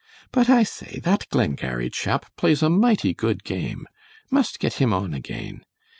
But I say, that Glengarry chap plays a mighty good game. Must get him on again.